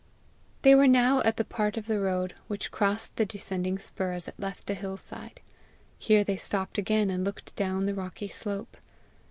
They were now at the part of the road which crossed the descending spur as it left the hill side. Here they stopped again, and looked down the rocky slope.